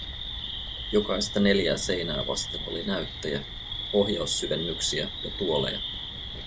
Jokaista neljää seinää vasten oli näyttöjä, ohjaussyvennyksiä ja tuoleja.